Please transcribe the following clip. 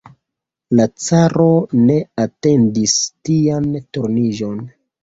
La caro ne atendis tian turniĝon.